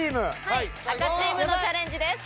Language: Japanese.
はい赤チームのチャレンジです。